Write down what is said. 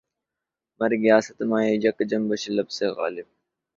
مر گیا صدمۂ یک جنبش لب سے غالبؔ